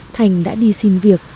thành đã đi xin việc